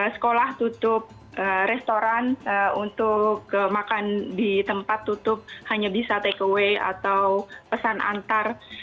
sekolah tutup restoran untuk makan di tempat tutup hanya bisa take away atau pesan antar